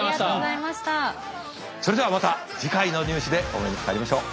それではまた次回の「ニュー試」でお目にかかりましょう。